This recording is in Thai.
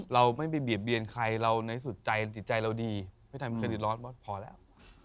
เราไม่ไปเบียดเบียนใครเราในสุดใจจิตใจเราดีไม่ทำเครดิตร้อนพอแล้ว